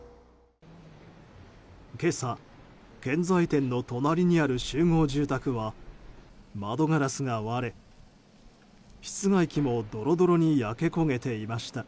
今朝、建材店の隣にある集合住宅は窓ガラスが割れ、室外機もドロドロに焼け焦げていました。